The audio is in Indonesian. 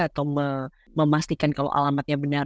atau memastikan kalau alamatnya benar